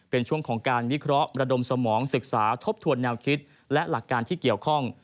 เป็นช่วงของการวิเคราะห์ระดมสมองศึกษาทบทวนแนวคิดและหลักการที่เกี่ยวข้อง